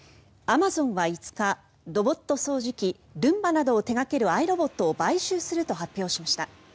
アマゾンは５日ロボット掃除機ルンバなどを手掛けるアイロボットを買収すると発表しました。